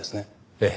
ええ。